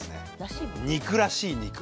肉らしい肉。